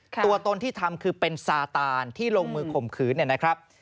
ตัวตนที่ทำคือเป็นซาตานที่ลงมือข่มขืนเนี่ยนะครับ